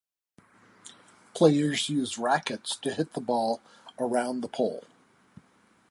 Players use racquets to hit the ball around the pole.